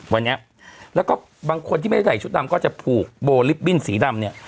วันนี้แล้วก็บางคนที่ไม่ได้ใส่ชุดดำก็จะผูกโบลิปบิ้นสีดำเนี่ย